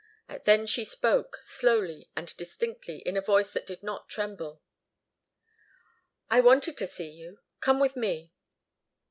Then she spoke, slowly and distinctly, in a voice that did not tremble. "I wanted to see you. Come with me."